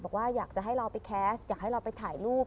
บอกว่าอยากจะให้เราไปแคสต์อยากให้เราไปถ่ายรูป